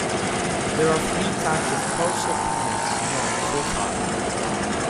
There are three types of pulsar planets known so far.